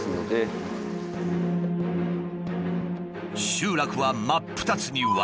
集落は真っ二つに割れ